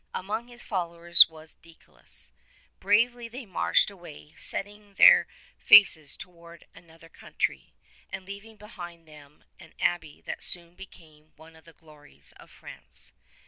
Among his followers was Deicolus. Bravely they marched away setting their faces toward another country, and leaving behind them an abbey that soon became one of the glories of France.